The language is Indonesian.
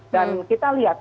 dan kita lihat